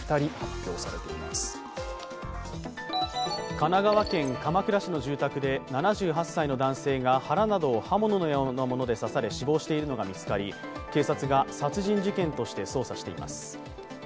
神奈川県鎌倉市の住宅で７８歳の男性が腹などを刃物のようなもので刺され死亡しているのが見つかり警察が殺人事件として捜査しています。